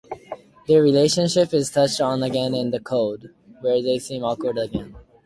Their relationship is touched on again in "The Cold", where they seem awkward together.